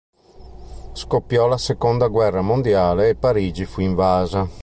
Scoppiò la seconda guerra mondiale e Parigi fu invasa.